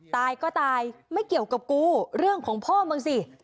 ตายก็ตายไม่เกี่ยวกับกูเรื่องของพ่อมึงสิ